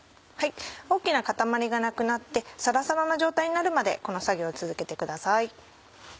大きな塊がなくなってサラサラな状態になるまでこの作業を続けてください。